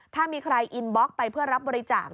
ถ้ามีใครอินบล็อกไปเพื่อรับบริจาค